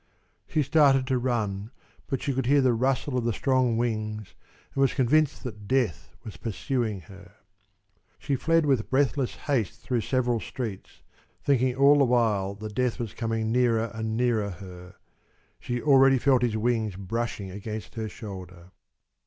She started to run, but she could hear the rustle of the strong wings and was convinced that Death was pursuing her. She fled with breathless haste through several streets, thinking all the while that Death was coming nearer and nearer her. She already felt his wings brushing against her shoulder.